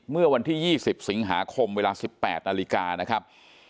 เมื่อวันที่๒๐สิงหาคมเวลา๑๘นาฬิกานะครับ